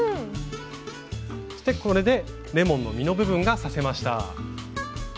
これでレモンの実の部分が刺せました。